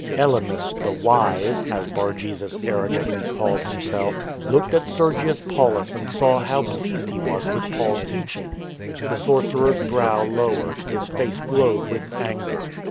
Elymas, the " wise " (as Bar jesus arrogantly called himself) looked at Sergius Paulus and saw how pleased he was with Paul's teaching. The sorcerer's brow lowered, his face glowed with anger.